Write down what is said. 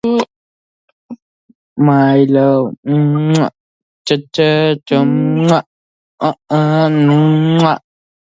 Nairnshire was paired as an alternating constituency with neighbouring Cromartyshire.